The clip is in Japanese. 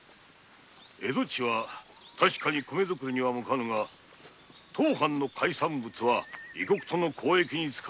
蝦夷地は確かに米づくりには向かぬが当藩の海産物は異国との交易に使われ公儀のお役に立っておる。